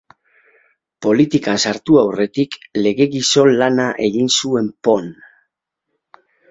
Politikan sartu aurretik, legegizon-lana egin zuen Pauen.